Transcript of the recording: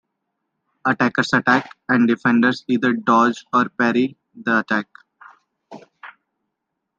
Attackers attack, and Defenders either Dodge or Parry the attack.